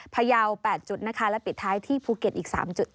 พยาว๘จุดนะคะและปิดท้ายที่ภูเก็ตอีก๓จุด